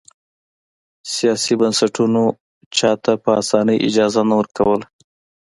سیاسي بنسټونو چا ته په اسانۍ اجازه نه ورکوله.